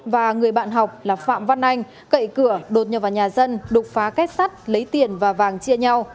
và người bạn học là phạm văn anh cậy cửa đột nhập vào nhà dân đục phá kết sắt lấy tiền và vàng chia nhau